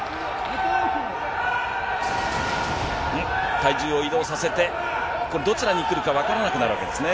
体重を移動させて、これ、どちらにくるか分からなくなるわけですね。